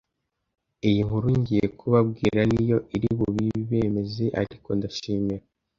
iyi nkuru ngiye kubabwira niyo iri bubibemeze ariko ndashimira